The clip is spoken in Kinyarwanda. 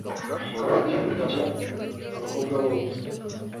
hakaba n’ibyihariye byakira abakobwa bonyine